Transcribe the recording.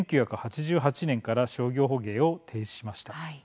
１９８８年から商業捕鯨を停止しました。